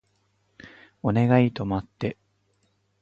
お願い止まって